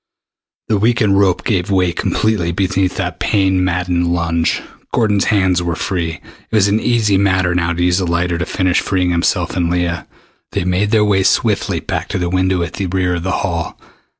The weakened rope gave way completely beneath that pain maddened lunge. Gordon's hands were free. It was an easy matter now to use the lighter to finish freeing himself and Leah. They made their way swiftly back to the window at the rear of the hall.